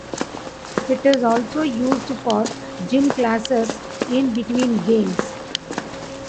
It is also used for gym classes in between games.